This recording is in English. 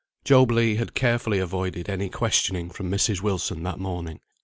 Job Legh had carefully avoided any questioning from Mrs. Wilson that morning.